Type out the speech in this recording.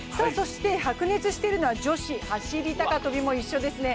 そして白熱してるのは女子走高跳も一緒ですね。